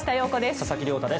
佐々木亮太です。